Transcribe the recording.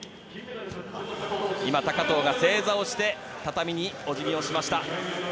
今、高藤が正座をして畳にお辞儀をしました。